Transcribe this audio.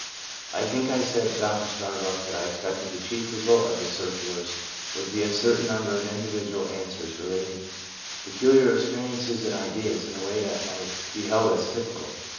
I think I said to Dr Starbuck that I expected the chief result of his circulars would be a certain number of individual answers relating peculiar experiences and ideas in a way that might be held as typical.